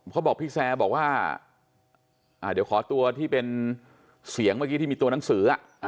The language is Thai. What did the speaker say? เขาบอกพี่แซร์บอกว่าเดี๋ยวขอตัวที่เป็นเสียงเมื่อกี้ที่มีตัวหนังสือ